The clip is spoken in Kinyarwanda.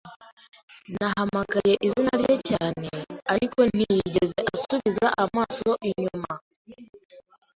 Nahamagaye izina rye cyane, ariko ntiyigeze asubiza amaso inyuma.